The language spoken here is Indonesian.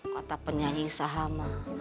kata penyanyi sahamah